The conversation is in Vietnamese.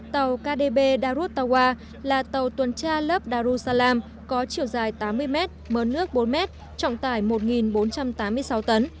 tàu kdb darut tawa là tàu tuần tra lớp darussalam có chiều dài tám mươi m mớ nước bốn m trọng tải một bốn trăm tám mươi sáu tấn